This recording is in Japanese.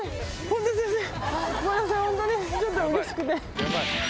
ホントにちょっとうれしくて。